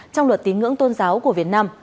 trong luật tín ngưỡng tôn giáo của việt nam